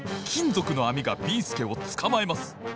ぞくのあみがビーすけをつかまえます。